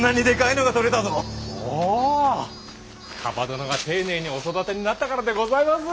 蒲殿が丁寧にお育てになったからでございます。